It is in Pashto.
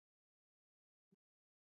ډيپلومات د نړیوال شهرت ارزښت پېژني.